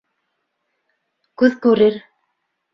Күҙ күрер.